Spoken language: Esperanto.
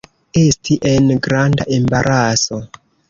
Esti en granda embaraso.